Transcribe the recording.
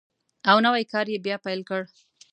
او نوی کار یې بیا پیل کړ.